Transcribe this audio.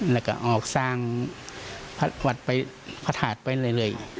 และก็ออกสร้างบทกลับผจรไปเลย